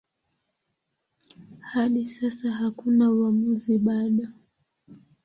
Hadi sasa hakuna uamuzi bado.